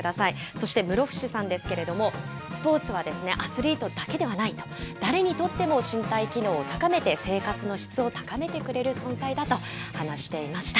そして室伏さんですけれども、スポーツはアスリートだけではないと、誰にとっても身体機能を高めて、生活の質を高めてくれる存在だと話していました。